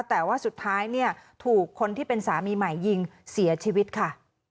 แต่ว่าสุดท้ายเนี่ยถูกคนที่เป็นสามีใหม่ยิงเสียชีวิตค่ะ